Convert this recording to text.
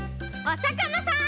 おさかなさん！